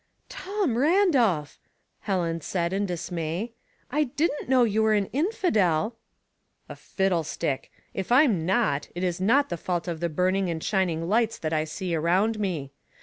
" "Tom Randolph!" Helen said, in dismay. *^ I dldnt know you were an infidel." " A fiddlestick ! If I'm not^ it is not the fault of the burning and shining lights that I see around me.